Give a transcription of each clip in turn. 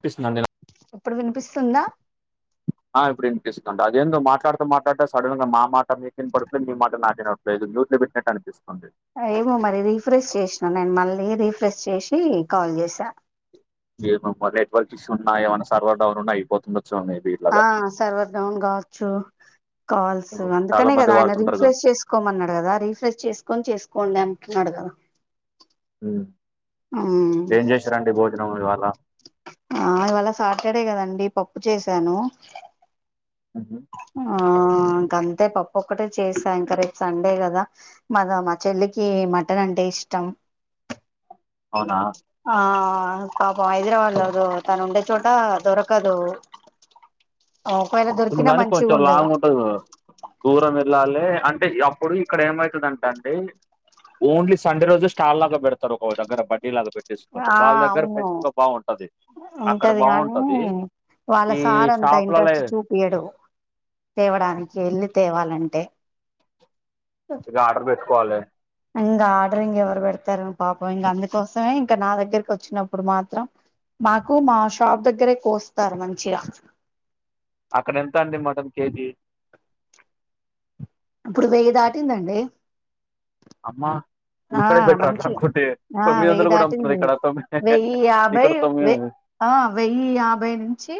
ఇనిపిస్తుందండి నా ఇప్పుడు వినిపిస్తుందా ఆ ఇప్పుడు ఇనిపిస్తుందండి అదేందో మాట్లాడుతు మాట్లాడుతు సడన్ గా మా మాట మీకినపడుతుంది మీ మాట నాకిన ఏదో మ్యూట్లో పెట్టినట్టు అపిస్తుంది. ఏమో మరి రీఫ్రెష్ చేసిన నేను మళ్ళీ రీఫ్రెష్ చేసి కాల్ చేసా ఏమో మరి నెట్వర్క్ ఇష్యూ ఉన్నా ఏమైనా సర్వర్ డౌన్ ఉన్నా అయిపోతుంది ఆ సర్వర్ డౌన్ కావచ్చు కాల్స్ చాలా అందుకనే మంది కదా ఆయన వాడుతుంటారు కదా రీఫ్రెష్ చేసుకోమన్నాడు కదా రీఫ్రెష్ చేసుకొని చేసుకోండి అన్నాడు గా ఉమ్ ఏం చేశారండి భోజనం ఇవాళ ఆ ఇవాళ సాటర్డే కదండి పప్పు చేసాను ఉహు ఆ ఇంక అంతే పప్పు ఒక్కటే చేసా ఇంక రేపు సండే కదా మాద మా చెల్లికి మటన్ అంటే ఇష్టం అవునా ఆ ఆ పాపం హైదరాబాద్ ల తను ఉండే చోట దొరకదు ఒకవేళ దొరుకుతుంది దొరికినా కాని మంచిగా కొంచెం ఉండదు లాంగ్ ఉంటంది దూరం వెళ్ళాలి అంటే అప్పుడు ఇక్కడ ఏమయితదంటే అండి ఓన్లీ సండే రోజు స్టాల్ లాగ బెడతారు ఒక దగ్గర బడ్డి లాగ బెట్టి తీసుకొని ఆ వాళ్ళ దగ్గర అవును ఫ్రెష్ గా బాగుంటది అక్కడ ఉంటది గానీ బాగుంటది వాళ్ళ ఈ సార్ అంత షాపులలో ఇంట్రెస్ట్ చూపియ్యడు తేవడానికి వెళ్లి తేవాలంటే ఇగ ఆర్డర్ పెట్టుకోవాలె ఇంకా ఆర్డర ఇంగ ఎవరు పెడతారు పాపం ఇంగ అందుకోసమే ఇంకా నా దగ్గరకి వచ్చినప్పుడు మాత్రం మాకు మా షాప్ దగ్గరే కోస్తారు మంచిగా అక్కడ ఎంత అండి మటన్ కేజీ ఇప్పుడు వెయ్యి దాటిందండి అమ్మా ఆ ఇక్కడే బెటర్ అట్లా మంచి అనుకుంటే ఆ తొమ్మిది వెయ్యి వందలు కూడా అమ్ముతున్నారు దాటింది ఇక్కడ తొమ్మి వెయ్యి యాభై ఇక్కడ తొమ్మిది వె ఆ వెయ్యి యాభై నుంచి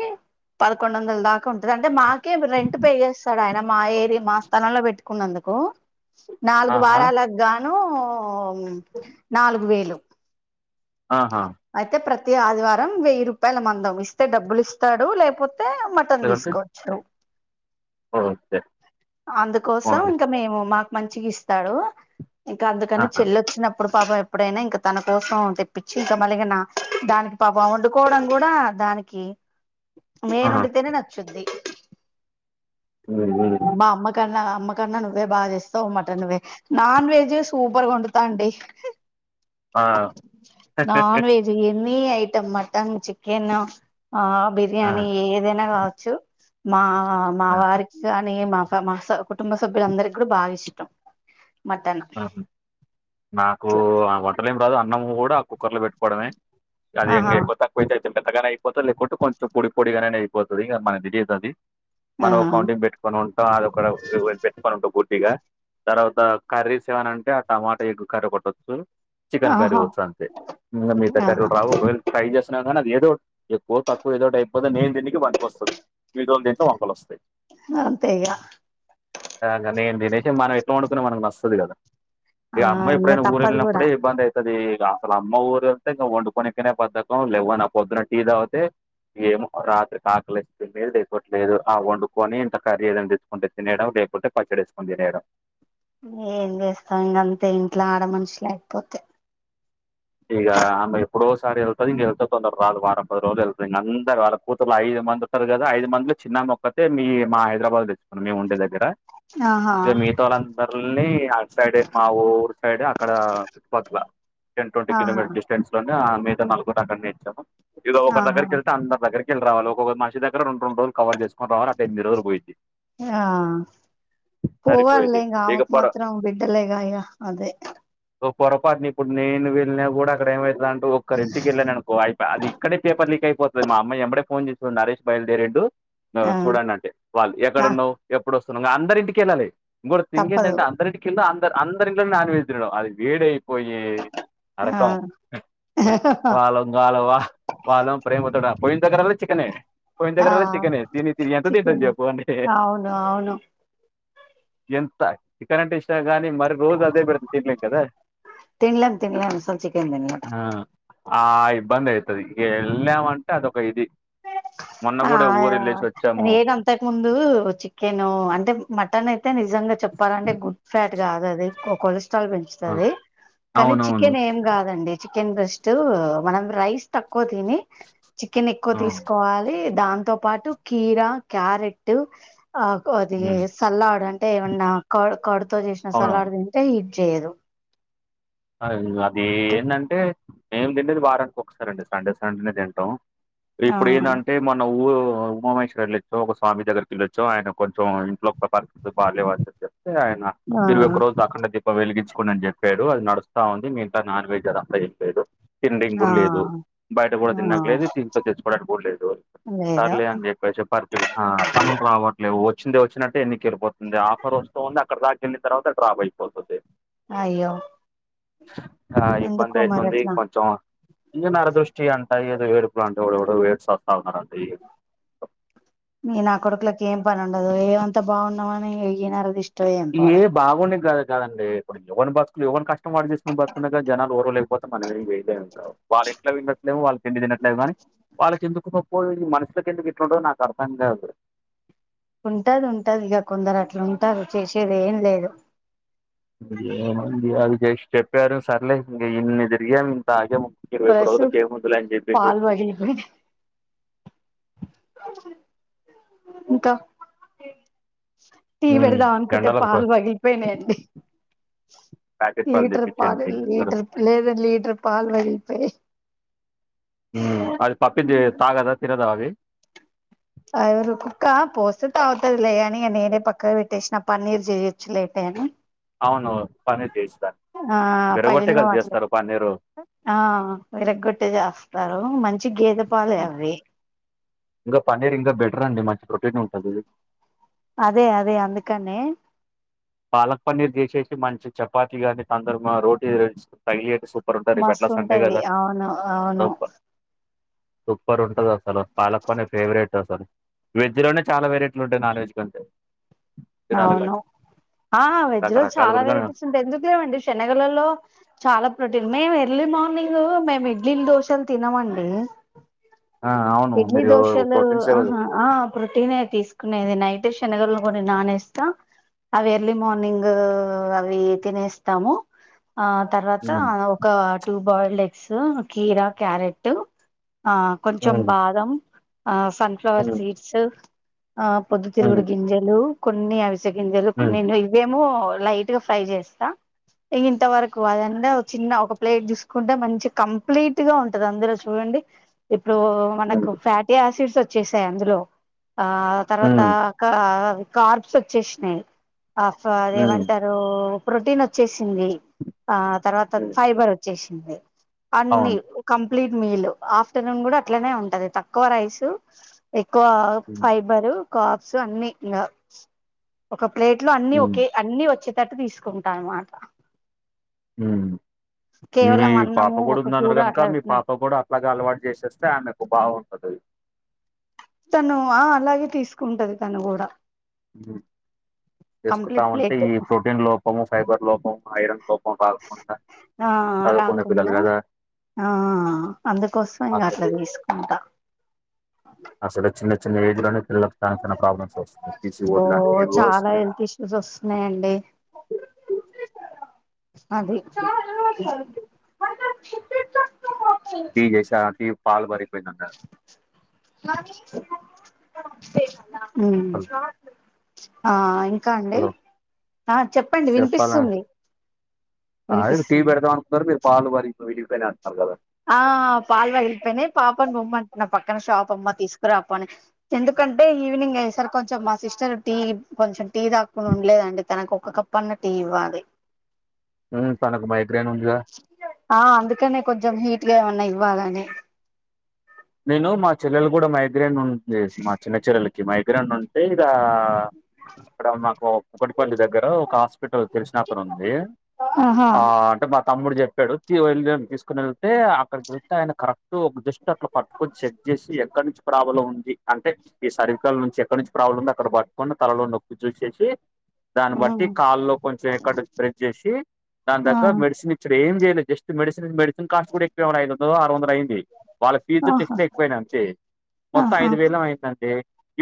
పదకొండు వందల దాకా ఉంటది అంటే మాకే రెంట్ పే చేస్తాడు ఆయన మా ఏరియా మా స్థలంలో పెట్టుకున్నందుకు నాలుగు ఆహా వారాలకు గాను నాలుగు వేలు ఆహా ఇగ ఆదివారం వెయ్యి రూపాయల మందం ఇస్తే డబ్బులు ఇస్తాడు లేకపోతే ఐతే మటన్ లేదంటే తీసుకోవచ్చు ఓకే అందుకోసం ఓకే ఇంకా మేము మాకు మంచిగా ఇస్తాడు ఇంకా అందుకని ఆహా చెల్లోచ్చి నపు ప్పుడు పాపం ఎప్పుడైనా ఇంక తన కోసం తెప్పించి ఇంకా మల్లి ఇగ దానికి పాపం వండుకోవడం కూడా దానికి నేను ఆహా వండి తేనే నచ్చుది ఉం ఉం మా అమ్మ కన్నా అమ్మ కన్నా నువ్వే బాగా చేస్తావు మటన్ నువ్వే నాన్ వెజ్ సూపర్గా వండుతా ఆంటీ [inaudible] ఆ ఆ non veg any item mutton chicken ఆ బిర్యానీ ఏదైనా కావచ్చు మా మా ఆహా వారికి మా మా కుటుంబ సభ్యుల అందరికి కూడా బాగా ఇష్టం మటన్ నాకు ఇట్లా వంటలేం రాదు అన్నము కూడా ఆ కుక్కర్ లో పెట్టుకోవడమే అది ఇంగ ఆహా ఎక్కువ తక్కువ అయితే పెట్టగానే అయిపోతది లేకుంటే కొంచెం పొడి పొడిగానే అయిపోతది ఇంగ మన తెలియదు అది ఆ మనం ఒక కౌంటింగ్ పెట్టుకని ఉంటాం అదొక పెట్టుకని ఉంటాం పూర్తిగా తర్వాత కర్రీస్ ఏవైనా అంటే ఆ టమాటా ఎగ్ కర్రి ఒకటి వచ్చు చికెన్ కర్రీ ఆహా వచ్చు అంతే ఇంగా మిగతా ఆహా కర్రీలు రావు ఒకవేళ ట్రై చేస్తున్నా కానీ అది ఏదో ఎక్కువ తక్కువ ఏదోటి అయిపోతే నేను తి న్నికి పనికొస్తది మిగతోళ్ళ తింటే వంకలు వస్తాయి అంతే ఇగ ఆ గా నేను తినేసి మనం ఎట్లా వండుకున్నా మనకు నస్తది కదా ఆ ఇగ అమ్మ ఇంగ ఎప్పుడైనా ఊరు తప్పదు కూడా వెళ్ళినప్పుడే ఇబ్బంది అయితది ఇగ అసలు అమ్మ ఊరు వెళ్తే ఇంగ వండుకొనికేనే బద్ధకం లేవన్నా పొద్దున్న టీ తాగితే ఏమో రాత్రికి ఆకలి వేస్తే తినేది లేకపోతే లేదు ఆ వండుకొని ఇంత కర్రీ ఏదైనా తెచ్చుకుంటే తినేయడం లేకపోతే పచ్చడేసుకుని తినేయడం ఏం చేస్తం ఇంగ అంతే ఇంట్లో ఆడ మనిషి లేకపోతే ఇగ ఆమె ఎప్పుడోసారి వెళ్తది ఇగ వెళ్తే తొందర రాదు వారం పది రోజులు వేళ్తది ఇంగ అందరు వాళ్ళ కూతులు ఐదు మంది ఉంటారు కదా ఐదు మందిలో చిన్నామె ఒక్కతే మీ మా హైదరాబాద్ ఇచ్చుకున్నాము మేము ఉండే దగ్గర ఆ ఇక మిగత వాళందరిని అటూ సైడ్ మా ఊరు సైడ్ అక్కడ చుట్టుపక్కల టెన్ ట్వంటీ ఆహా కిలోమీటర్ డిస్టెన్స్ లోనే మిగతా నలుగురిని అక్కడనే ఇచ్చాము ఇక ఒక ఆహా దగ్గరికి వెళ్తే అంద దగ్గరకి ళ్ళ రావాల ఒక్క ఒకొక్క మనిషి దగ్గర రెం రెండు రోజులు కవర్ చేసుకురావాలి అంటే ఎమిది రోజులు పోయింది పోవాలేంకా ఆమెకు మాత్రం బిడ్డలే గా ఇగా అదే సో పొరపాటున ఇప్పుడు నేను వెళ్తే కూడా అక్కడ ఏమవుంద అంటూ ఒక్కరి ఇంటికి వెళ్ళానుకో అది ఇక్కడే పేపర్ లీక్ అయిపోతుంది మా అమ్మ ఏమడే ఫోన్ చేసి నరేష్ బయల్దేరిండు చూడండి అంటే వాళ్ళు ఆ ఎక్కడున్నావు ఎప్పుడు వస్తున్నావు ఇంగ అందరి ఇంటికెళ్ళాలి ఇంకోటి థింగ్ తప్పదు ఏంటంటే అందరింటికి వెళ్ళి అందరిళ్ళలోనూ నాన్ వెజ్ తినడం అది వేడి అయిపోయి ఆ నరకం వాలా వలవా వాళ్ళ ప్రేమతోటి పోయినదగ్గర చికెనే పోయిన దగ్గరల్లా ఆ చికెనే తిని తిని ఎంత తింటాం చికెన్ చెప్పు అంటే అవును అవును ఎంత చికెన్ అంటే ఇష్ ష్టం గానీ మరి రోజు అదే పెడితే తిన్నలేం కదా సో చికెన్ తిన్నాలే ఆ ఆ ఇబ్బంది అయితది ఇక వెళ్ళాం అంటే అదొక ఇది మొన్న ఆ కూడా ఊరు వెళ్ళేసి వచ్చాము రేనా అంతకుముందు చికెను అంటే మటన్ అయితే నిజంగా ఇంకా చెప్పాలంటే గుడ్ ఫ్యాట్ కాదు అది ఓ కొలె కొలెస్ట్రాల్ ఆ! పెంచుతుంది కానీ అవునవును చికెన్ ఏం కాదండి చికెన్ బ్రెస్ట్ మనం రైస్ తక్కువ తిని చికెన్ ఎక్కువ ఆ తీసుకోవాలి దాంతో పాటు కీరా క్యారెట్ ఆ అది ఉమ్ సల్లాడ్ అంటే టే ఏమన్నా క కర్డతో చేసిన సలాడ్ అవునవును తింటే హీట్ చేయదు అది ఏందంటే మేం తింటేది వారానికి ఒక్కసారి అండి సండే సండేనే తింటాం ఆ ఇప్పుడు ఏందంటే మన ఉమాహేశ్వరింళ్ళొచ్చ ఒక స్వామి దగ్గకి వెళ్ళొచ్చు ఆయన కొంచం ఇంట్లో ప బాలేవు అన్ని చెప్తే ఆయన ఆ ఇరవై ఒక్క రోజు కాకుండా దీపం వెలిగించుకోండి అని చెప్పాడు అది నడుస్తు తా ఉంది మిగతా నాన్ వెజ్ అదంతా ఏం లేదు తిండింకి ఆ కూడా లేదు బయట కూడా ఆ తినడానికి లేదు ఇంట్లో తెచ్చుకోడానికి కూడా లేదు లేదు సర్లే అని చెప్పేసే పరిస్థితి పనులు రావట్లేవు వచ్చింది వచ్చినట్టే ఎన్నిక వెళ్ళిపోతుంది ఆఫర్ వస్తస్తు ఉంది అక్కడ దాక వెళ్ళ తర్వాత డ్రాప్ అయిపోతుంది అయ్యో ఆ ఎందుకో ఇబ్బంది మరి అయితుంది అట్లా కొంచెం ఇం నర దృష్టి అంట ఏదో వేడుపులు అంటే ఎ ఎవడెవడో ఏడ్చి చస్తా ఉన్నారంటడి మీ నా కొడుకులకి ఏం పని ఉండదు ఏమంతా బాగున్నామని ఏ నరదిష్టి ఏ బాగుని గదు కాదండి ఇప్పుడు ఎవని బతుకు ఎవని కష్టం వాడి చేసుకుని బతుకు జనాలు ఓవలేకపోతే మనం ఏం చేయలేమండి ఇంట్లో వినట్లేవు వాళ్ళకి తిండి తినట్లేదు కాని వాళ్ళకి ఎందుకున్న పో ఈ మనుషులకి ఎందుకు ఇట్లు ఉంటాదో నాకు అర్థం కాదు ఉంటాది ఉంటది ఇక కొందరు అట్లు ఉంటారు చేసేది ఏం లేదు అవి జస్ట్ చెప్పారు సరేలే ఇన్ని తిరిగాము ఇంత ఆ ఇరవై ప్లస్ ఒక్కరోజులు కీ ఏం ఉందిలే అన్ని చెప్పేసి పాలు పగిలిపోయినాయి ఇంకా టీ ఉమ్ పెడదాం అనుకుంటే జెండాలకు ప- పాలు పగిలిపోయినాయండి ప్యాకెట్ పాలు లీటర్ పాల తెప్పించండి ఏం చేస్తారు లీటర్ లేదా లీటర్ పాలు పగిలిపోయాయ్ హ అది పప్పిది తాగదా తినదా అది అ కుక్క పోస్తే తగ్గుతాది కానీ నిన్నే పక్క విట్టేన పన్నీర్ చెయ్యొచ్చులే అన్ని అవును పన్నీర్ చేయిస్తారు ఆ విరగొట్టే పగిలిన క వాటిలో చేస్తారు పన్నీర్ ఆ విరగగొట్టే చేస్తారు మంచి గేదెపాలే ఉమ్, అవి ఇంకా పన్నీర్ ఇంకా బెటర్ అండి మంచి ప్రొటీన్ ఉంటది అదే అదే అందుకనే పాలక్ పన్నీర్ చేసేసి మంచి చపాతి గాని [unintelligible] రోటీ [unintelligible] రపట్ల మస్తు సండే ఉంటది కదా అవును అవును సూపర్ ఉంటది అసలు పాలక్ పన్నీర్ ఫేవరెట్ అసలు వెజ్ లోనే చాల వెరైటీలు ఉంటాయి నాన్ వెజ్ కంటే తినాలి అవును కానీ ఆ వెజ్ రోజు రకరకాలు చాల కూడా వెరైటీస్ ఉంటాయి ఎందుకు లేవండి శనగలలో చాల ప్రోటీన్ మే ఎర్లీ మార్నింగ్ మేము ఇడ్లీలు దోశలు తినమండి ఆ అవును ఇడ్లీ మీరు దోశలు ప్రోటీన్స్ కదా ఆహా ఆ ప్రొటీనే తీస్ కునేది నైట్ శషనగల్ కొన్ని అవి ఎర్లీ మార్నింగ్ అవి తినేస్తము ఆ తర్వాత ఉమ్, ఒక టూ బాయిల్డ్ ఎగ్స్ కీర క్యారెట్టు ఆ కొంచెం ఉమ్, బాదం ఆ సన్ఫ్లవర్ ఉమ్, సీడ్స్ ఆ పొద్దు తిరుగుడు ఉమ్, గింజలు కొన్ని ఆవిస గింజలు ఉమ్, కొన్ని [unintelligible] [unintelligible] లైట్ గా ఫ్రై చేస్త ఇగ ఇంతవరకు అదంటే చిన్న ఒక ప్లేట్ చూసుకుంటే మంచి కంప్లీట్ గా ఉంటది అందురు చూ ఇప్పుడు ఉమ్, మనకు ఫ్యాటీ యాసిడ్స్ వచ్చేసాయి అందులో ఆ తర్వాత ఉమ్, కార్బ్స్ వచ్చేసినాయి ఆఫ్ ఉమ్, అదేమంటారు ప్రోటీన్ వచ్చేసింది ఆ తర్వాత ఉమ్, ఫైబర్ వచ్చేస్ అన్ని అవును క కంప్లీట్ మీల్ ఆఫ్టర్నూన్ కూడా అట్లనే ఉంటది తక్కువ రై ఉమ్, ఫైబరు కాప్స్ అన్ని ఇంగ ఒక ప్లేట్ లో అన్ని ఉమ్, ఒకే అన్ని వచ్చేటట్టు తీసుకుంటా అన్నమాట హు మీ పాప అన్నము కూడ ఒక ఉందన్నారు కూర గనుక అట్లా మీ పెట్టినం పాప కూడ అట్లాగ అలవాటు చేసేస్తే ఆమెకు బాగుంటది తను ఆ అలాగే తీసుకుంటది తను కూడ [unintelligible] ప్లేట్ ఈ ప్రోటీన్ లోపము ఫైబర్ లోపం [unintelligible] ఆ చదువుకునే పిల్లలు రాకుండా కదా ఆ అందుకోసం ఇంక అట్ల అసలు తీసుకుంట అసలు చిన్న చిన్న ఏజ్ లోనే పిల్లలకు [unintelligible] ప్రాబ్లమ్స్ ఓ పీసీఓడీ లాంటివి ఏవేవో చాలా వస్తున్నాయ్ హెల్త్ ఇష్యూస్ వస్తున్నాయండి అదే [unintelligible] ఆ హలో [unintelligible] అండి హలో ఆ చెప్పండి చెప్పాలా వినిపిస్తుంది అదే టీ వినిపిస్తుంది పెడదాం అనుకున్నారు మీరు పాలు వరి వీడి అంటున్నారు కదా ఆ పాల్ వగిలిపోయినాయి పాపని బొమ్మంటున్న పక్కన షాప్ అమ్మ తీసుకురామని ఎందుకు కంటే ఈవినింగ్ అయి సారు కొంచెం మా సిస్టర్ టీ కొంచెం టీ తాక్కుని ఉండలేదండి తనకు ఒక కప్పు అన్న టీ ఈవ్వలి తనకు [unintelligible] ఆ అందుకనే కొంచెం హీట్గ ఏమన్నా ఇవ్వాలనే నేను మా చెల్లెలు కూడ మైగ్రేన్ వుంది మా చిన్న చెల్లలకి మైగ్రైన్ ఉంటే ఇక ఇక్కడ మాకు కుక్కట్పల్లి దగ్గర ఒక హాస్పిటల్ తెలిసినక్కను ఉంది ఆహా ఆ అంటే మా తమ్ముడు చెప్పాడు వె తీసుకుని వెళ్తే అక్కడ చతే ఆయన కరెక్ట్ ఒక జస్ట్ అట్లా పట్టుకొని చెక్ చేసి ఈ ఎక్కడి నుంచి ప్రాబ్లం ఉంది అంటే ఈ సరికల నుంచి ఎక్కడ నుంచి ప్రాబ్లం ఉంది అక్కడ పట్టుకుని తలలో నొక్కి చూసేసి దాన్ని బట్టి ఉమ్ కాల్లో కొంచెం ఎక్కడ స్ప్రెడ్ చేసి దాని ఆ దగ్గ మెడిసిన్ ఇచ్చుడు ఏం చేయలేదు జస్ట్ మెడిసిన్ మెడిసిన్ కాస్ట్ కూడా ఎక్వై ఐదందలో ఆరు వందలో అయింది వాళకు ఆహా [unintelligible] పోయిన అంతే మొత్తం ఆహా ఐదు వేలేమో అయిందండి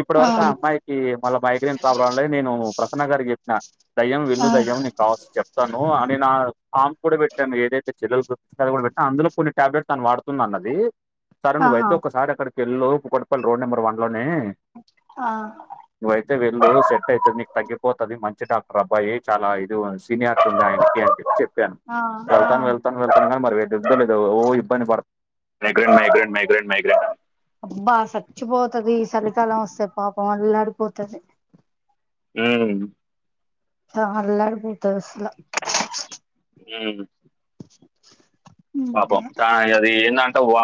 ఇప్పటి వరకు ఆ అమ్మాయికి మళ్ళ మైగ్రైన్ ప్రాబ్లం లేదు నేను ప్రసన్న గారికి చెప్పిన దయ్యం వెల్లు దయ్యం నీకు కావసిన చెప్తాను అనిన ఆ ఫామ్ కూడా పెట్టాం ఏదైతే చెల్లలు కూడా పెట్టాం అందులో కొన్ని టాబ్లెట్స్ తను వాడుతుంది అన్నది తరు ఆ నువ్వు ఆహా ఐతే ఒకసారి అక్కడికి వెళ్లు Kukatpally road number one ల నీ ఆ నువ్వయితే వెళ్ళు సెట్ ఐతది నీకు తగ్గిపోతది మం చి డాక్టర్ అబ్బాయి చాలా ఇది సీనియర్టీ ఉంది ఆయనకి అని చెప్పి చెప్పాను ఆ వెళ్తాను ఆ వెళ్తాను వెళ్తాను గానీ మరి ఎదుద్దో లేదో ఓ ఇబ్బని పడు అబ్బా సచ్చిపోతది ఈ సలికాలం వస్తే పాపం అల్లాడి పోతది ఊ చ అల్లాడి పోతది అసలు ఊ [inaudible] పాపం చ ఇగ అది ఏందంటే వా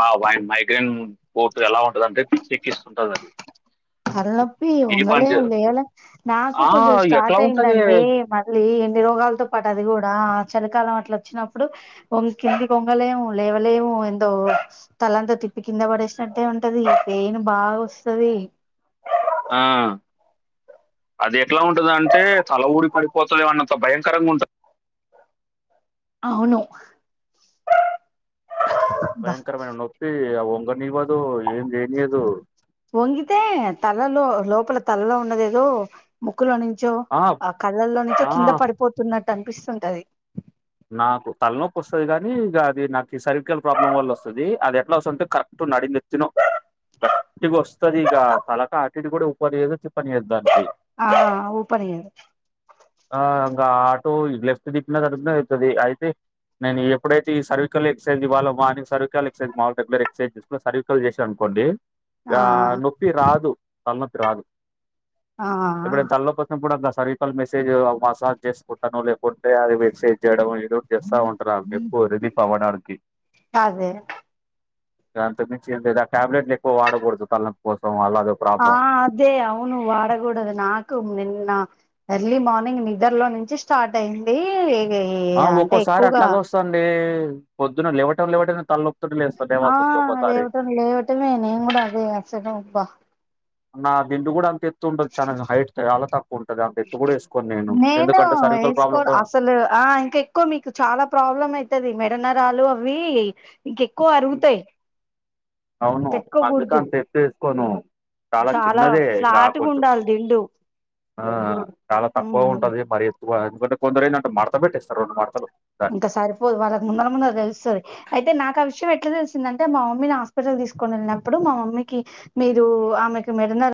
మైగ్రైన్ పోట్ సో ఎలా ఉంటది అంటే పిచ్చెక్కిస్తుంటంది అది తల్ నొప్పి ఏ పని ఒంగలేం చే- లేవలేం నాకు ఆ కొంచెం ఎట్లా స్టార్ట్ ఉంటది అయిందండి మళ్ళీ ఎన్ని రోగాలతో పాటు అది కూడా చలికాలం అట్ల వచ్చినప్పుడు వొం కింది కొంగలేము లేవలేము ఎందో తలంత తి ప్పి కింద పడేసినట్టే ఉంటది పేయిన్ బాగా వస్తది ఆ అది ఎట్లా ఉంటంద అంటే తల ఊడి పడిపోతది ఏమో అన్నంత భయంకరంగా ఉంటుంది అవును బా భయంకరమైన నొప్పి ఆ ఒంగనివదు ఏం చేయనియదు ఒంగితే తలలో లోపల తలలో ఉన్నద ఏదో ము ముక్కులో నుంచో ఆ కళ్ళల్లో నుంచో ఆ కింద పడిపోతున్నట్టు అనిపిస్తుంటది నాకు తలనొప్పి వస్తది కాని ఇక అది నాకు ఈ సర్వికల్ ప్రాబ్లం వల్ల వస్తది అది ఎట్లా వస్తదంటే కరెక్ట్ నడినెత్తిన గట్టిగా వస్తది ఇక తలకాటిటు కూడా ఉపనియదో తిప్పనియదు దాన్ని ఆ ఊపనియదు గా ఆటో ఇట్ లెఫ్ట్ దిక్న అడుపు ఐతది అయితే నేను ఎప్పుడైతే ఈ సర్వికల్ ఎక్సైజ్వ్లో వాని సర్వీకల్ ఎసైజ్ మాములుగా మీరు ఎక్సజ్సుకు సర్వికల్ చేసరనుకో కొండి ఆ నొప్పి రాదు తలనొప్పి రాదు ఆ ఎప్పుడన్న తలనొప్పి అచ్ న కూడా దస్ సర్వికల్ మెసేజ్ మసాజ్ చేసుకుంటానొ లేకుంటే అది మెక్సేజ్ చేయడమో రోజ్ చేస్తా ఉంటరు వాళ్ళు ఎక్కువ రిలీఫ్ అవ్వడానికి అదే ఇగ అంతకు మించి ఏం లేద్ ఆ ట్యాబ్లెట్లు ఎక్కువ వాడకూడదు తళ్ నొప్పి కోసం ఆళ్ల ఆ అదే అవును వాడగూడదు నాక్ కు నిన్న ఎర్లీ మార్నింగ్ నిదర్ లో నుంచి స్టార్ట్ అయింది ఆ అంటే ఒక్కోసారి ఎక్కువగా అట్లాగే వస్తదండి పొద్దున లేవటం లేవటం మే తల్ నొప్ ఆ లేవటం లేవటమే నేను కూడా అసలు అదే అబ్బా నా దిండు కూడా అంత ఎత్తు ఉండదు చన హైట్ అల తకు ఉంటది అంతెత్తు కూడా ఎస్ నేను వేసుకో అసలు ఆ ఇంకా ఎక్కువ మీకు చాలా ప్రాబ్లమ్ అయితాది మెడ నరాలు అవి ఇంకా ఎక్కువ అరుగుతాయ్ అవును అందుకని తెప్పేసుకోను చాలా చిన్నదే నాకు ఫ్లాట్గా వొద్దు ఉండాలి దిండు ఆ చాలా తక్కువ ఉమ్ ఉంటాది గా మరి ఎక్కువ ఎందుకంటే కొందరు ఏంటంటే మడత పెట్టేస్తారు రెండు మడతలు ఇంకా సరిపోదు వాళ్ళకి ముందర ముందర తెలుస్తాది అయితే నాకు ఆ విషయం నాకు ఎట్లా తెలిసిందంటే మా మమ్మీని హాస్పిటల్ తీసుకొని వెళ్ళినప్పుడు మా మమ్మీకి మీరు ఆమెకు మెడ నార